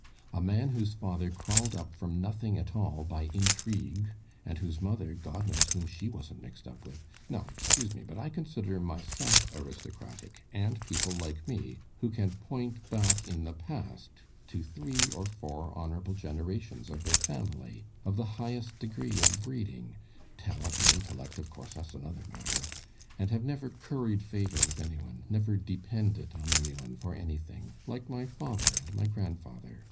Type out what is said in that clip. A man whose father crawled up from nothing at all by intrigue, and whose mother—God knows whom she wasn't mixed up with.... No, excuse me, but I consider myself aristocratic, and people like me, who can point back in the past to three or four honorable generations of their family, of the highest degree of breeding (talent and intellect, of course that's another matter), and have never curried favor with anyone, never depended on anyone for anything, like my father and my grandfather.